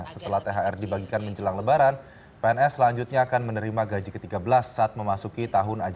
setelah thr dibagikan menjelang lebaran pns selanjutnya akan menerima gaji ke tiga belas saat memasuki tahun dua ribu